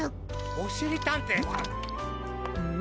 おしりたんていさん。